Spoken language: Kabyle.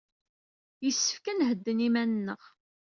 Yessefk ad nhedden iman-nneɣ.